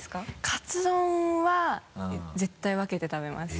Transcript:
カツ丼は絶対分けて食べます。